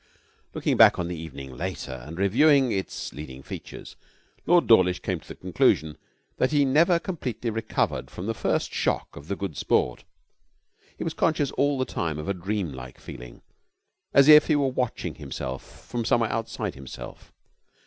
Looking back on the evening later and reviewing its leading features, Lord Dawlish came to the conclusion that he never completely recovered from the first shock of the Good Sport. He was conscious all the time of a dream like feeling, as if he were watching himself from somewhere outside himself.